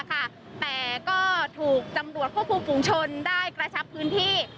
แต่ก็ถูกจำรวจควบคุมฝุงชนได้กระชับพื้นที่